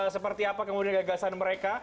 seperti apa kemudian gagasan mereka